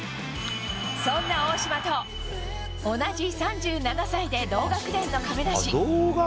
そんな大島と、同じ３７歳で同学年の亀梨。